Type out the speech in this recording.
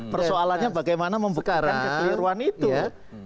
persoalannya bagaimana membubarkan kekeliruan itu